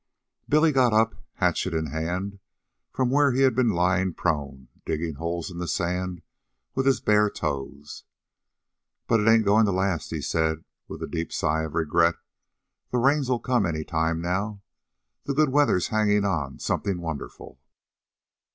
Billy got up, hatchet in hand, from where he had been lying prone, digging holes in the sand with his bare toes. "But it ain't goin' to last," he said, with a deep sigh of regret. "The rains'll come any time now. The good weather's hangin' on something wonderful."